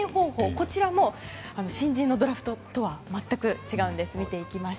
こちらも新人のドラフトとは全く違うんです。